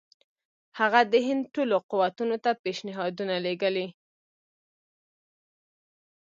هغه د هند ټولو قوتونو ته پېشنهادونه لېږلي.